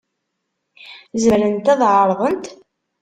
Zemrent ad ɛerḍent?